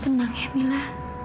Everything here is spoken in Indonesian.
tenang ya mila